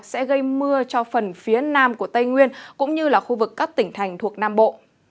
sẽ gây mưa cho phần phía nam của tây nguyên cũng như là khu vực các tỉnh thành thuộc nam bộ